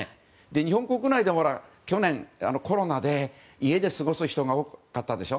日本国内でも去年、コロナで家で過ごす人が多かったでしょ。